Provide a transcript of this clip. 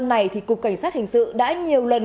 này thì cục cảnh sát hình sự đã nhiều lần